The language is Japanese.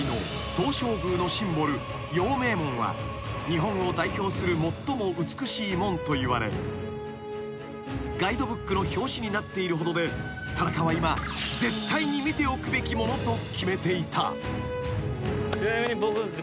［日本を代表する最も美しい門といわれガイドブックの表紙になっているほどで田中は今絶対に見ておくべきものと決めていた］